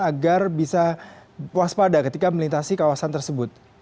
agar bisa puas pada ketika melintasi kawasan tersebut